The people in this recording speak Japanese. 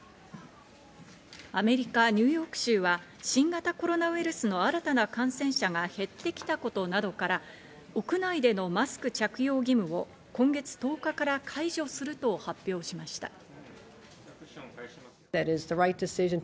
アメリカ・ニューヨーク州は新型コロナウイルスの新たな感染者が減ってきたことなどから、屋内でのマスク着用義務を今月１０日から解除すると発表しました。